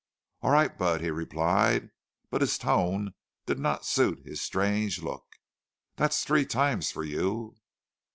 "All right, Budd," he replied, but his tone did not suit his strange look. "That's three times for you!"